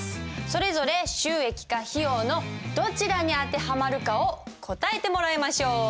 それぞれ収益か費用のどちらに当てはまるかを答えてもらいましょう。